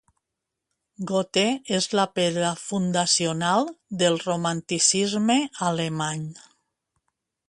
Goethe és la pedra fundacional del romanticisme alemany.